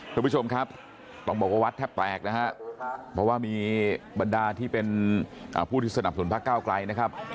คุณผู้ชมครับต้องบอกว่าวัดแทบแตกนะฮะเพราะว่ามีบรรดาที่เป็นผู้ที่สนับสนุนพักเก้าไกลนะครับ